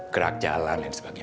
gerak jalan dan sebagainya